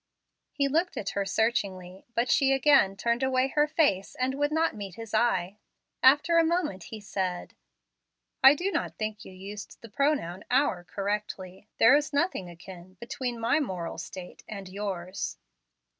He looked at her searchingly, but she again turned away her face, and would not meet his eye. After a moment, he said, "I do not think you used the pronoun 'our,' correctly. There is nothing akin between my moral state and yours."